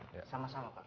sama atau sama pak